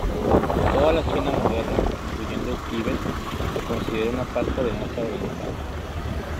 Toda la China moderna, incluyendo el Tíbet, se considera una parte de Asia Oriental.